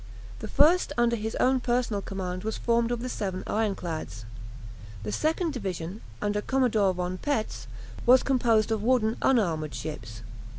The first under his own personal command was formed of the seven ironclads. The second division, under Commodore von Petz, was composed of wooden unarmoured ships.